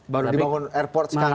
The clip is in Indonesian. baru dibangun airport sekarang